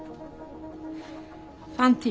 ファンティ。